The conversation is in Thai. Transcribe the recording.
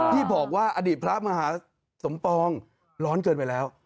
ที่บอกว่าอดีตพระมหาสมปองร้อนเกินไปแล้ว